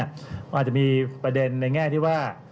มันอาจจะมีประเด็นในแง่ที่ว่า